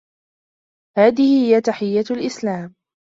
هذه هي تحيّة الإسلام.